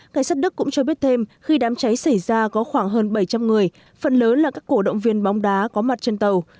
ngày sắt đức cũng cho biết thêm khi đám cháy xảy ra có khoảng hơn bảy trăm linh người phần lớn là các cổ động viên bóng đá có mặt trên tàu